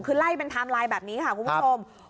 คือไล่เป็นไทม์ไลน์แบบนี้ค่ะคุณผู้ชม